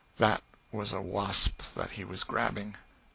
That was a wasp that he was grabbing!